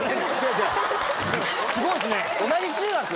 すごいですね。